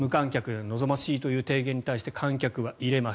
無観客が望ましいという提言に対して観客は入れます。